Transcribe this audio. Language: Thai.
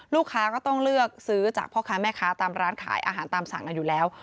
ลูกค้าก็ต้องเลือกซื้อจากพ่อค้าแม่ค้าตามร้านขายอาหารตามสั่งกันอยู่แล้ว